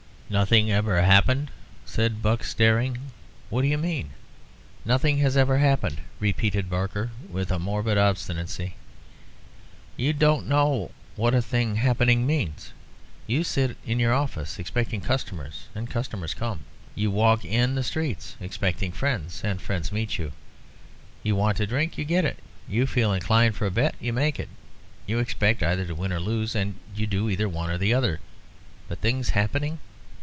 "Nothing ever happened!" said Buck, staring. "What do you mean?" "Nothing has ever happened," repeated Barker, with a morbid obstinacy. "You don't know what a thing happening means? You sit in your office expecting customers, and customers come; you walk in the street expecting friends, and friends meet you; you want a drink, and get it; you feel inclined for a bet, and make it. You expect either to win or lose, and you do either one or the other. But things happening!"